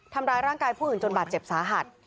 ทำร้ายร่างกายผู้อื่นจนบาดเจ็บสาหัส